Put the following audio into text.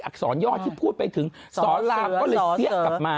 อักษรยอดที่พูดไปถึงสอราโดยมันก็เลยเซียกกลับมา